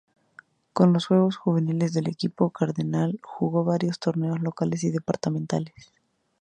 Con los equipos juveniles del equipo cardenal, jugó varios torneos locales y departamentales.